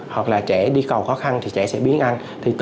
hoặc là trẻ đi cầu khó khăn thì trẻ sẽ biến ăn